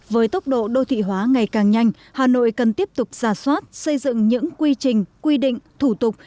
với tốc độ đô thị hóa ngày càng nhanh hà nội cần tiếp tục giả soát xây dựng những quy trình quy định thủ tục